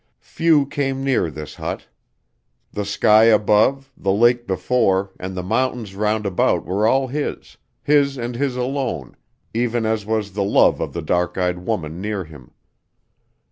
Few came near this hut. The sky above, the lake before, and the mountains round about were all his, his and his alone even as was the love of the dark eyed woman near him.